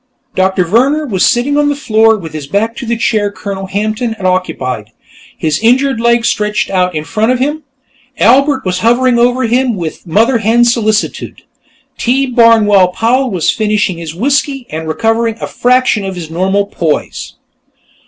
Doctor Vehrner was sitting on the floor, with his back to the chair Colonel Hampton had occupied, his injured leg stretched out in front of him. Albert was hovering over him with mother hen solicitude. T. Barnwell Powell was finishing his whiskey and recovering a fraction of his normal poise.